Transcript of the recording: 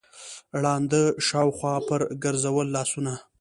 ړانده شاوخوا پر ګرځول لاسونه